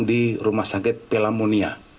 di rumah sakit pelamonia